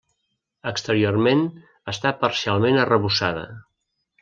Exteriorment està parcialment arrebossada.